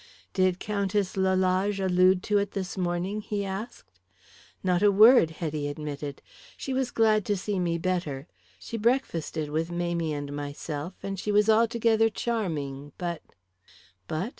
"Did Countess Lalage allude to it this morning?" he asked. "Not a word," Hetty admitted. "She was glad to see me better; she breakfasted with Mamie and myself, and she was altogether charming, but " "But?